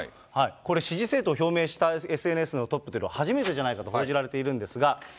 これ、支持政党を表明したＳＮＳのトップというのは、初めてじゃないかと報じられているんですが。